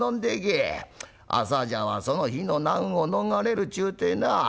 朝茶はその日の難を逃れるっちゅうてなあ